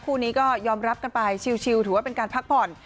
คู่นี้ก็ยอมรับกันไปชิลถือว่าเป็นการพักผ่อน